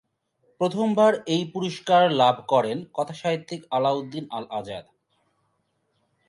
প্রথমবার এই পুরস্কার লাভ করেন কথাসাহিত্যিক আলাউদ্দিন আল আজাদ।